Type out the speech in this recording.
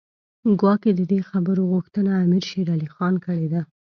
ګواکې د دې خبرو غوښتنه امیر شېر علي خان کړې ده.